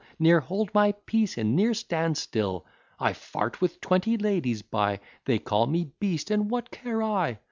Ne'er hold my peace, and ne'er stand still: I fart with twenty ladies by; They call me beast; and what care I?